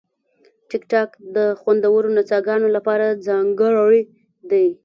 ټیکټاک د خوندورو نڅاګانو لپاره ځانګړی دی.